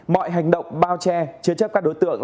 mọi hành động bao che chứa chấp các đối tượng